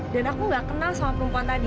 dan aku nggak kenal sama perempuan tadi